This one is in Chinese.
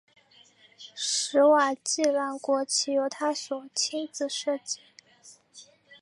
史瓦济兰国旗由他所亲自设计。